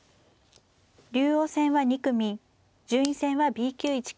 竜王戦は２組順位戦はＢ級１組です。